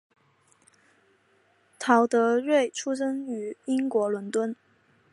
陶德瑞出生于英国伦敦。